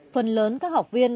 phần lớn các học viên